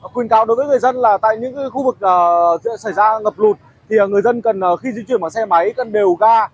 quyên cáo đối với người dân là tại những khu vực diễn ra ngập lụt thì người dân cần khi di chuyển bằng xe máy cần đều ga